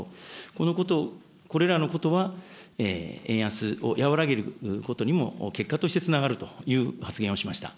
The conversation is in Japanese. このこと、これらのことは、円安を和らげることにも結果としてつながるという発言をしました。